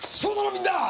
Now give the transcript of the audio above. みんな！